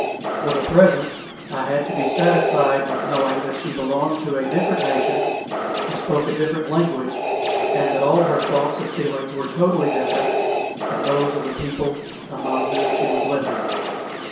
For the present I had to be satisfied with knowing that she belonged to a different nation, who spoke a different language, and that all her thoughts and feelings were totally different from those of the people among whom she was living.